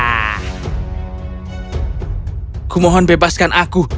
aku mohon bebaskan aku